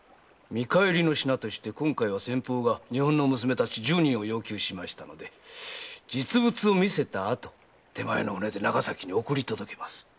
見返りの品として今回は先方が日本の娘たち十人を要求したので実物を見せたあと手前の船で長崎に送り届けます。